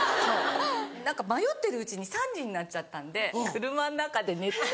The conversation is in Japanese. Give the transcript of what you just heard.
何か迷ってるうちに３時になっちゃったんで車の中で寝て。